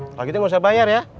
kalau gitu gak usah bayar ya